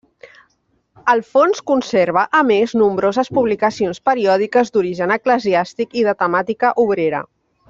El fons conserva, a més, nombroses publicacions periòdiques d'origen eclesiàstic i de temàtica obrera.